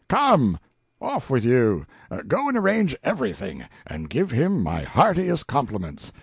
Come off with you! Go and arrange everything and give him my heartiest compliments.